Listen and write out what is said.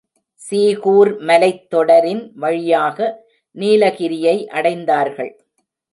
சீகூர் மலைத்தொடரின் வழியாக நீலகிரியை அடைந்தார்கள்.